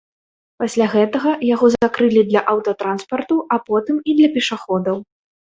Пасля гэтага яго закрылі для аўтатранспарту, а потым і для пешаходаў.